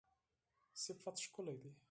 صفت ښکلی دی